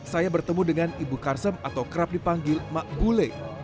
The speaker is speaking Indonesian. saya bertemu dengan ibu karsem atau kerap dipanggil mak bule